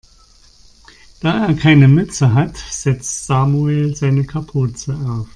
Da er keine Mütze hat, setzt Samuel seine Kapuze auf.